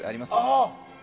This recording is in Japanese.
ああ！